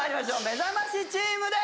めざましチームです。